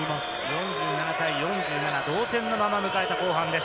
４７対４７、同点のまま迎えた後半です。